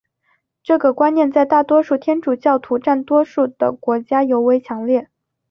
这个观念在大多数天主教徒占多数的国家尤为强烈。